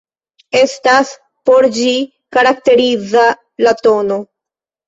Estas por ĝi karakteriza la tn.